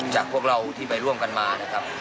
จากพวกเราที่ไปร่วมกันมานะครับ